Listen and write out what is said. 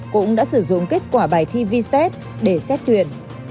cũng đã sử dụng kết quả bài thi vstep